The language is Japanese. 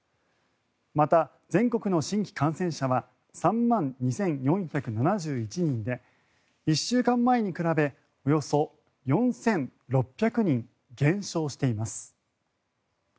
また全国の新規感染者は３万２４７１人で１週間前に比べおよそ４６００人減少しています。